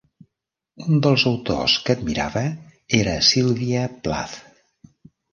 Un dels autors que admirava era Sylvia Plath.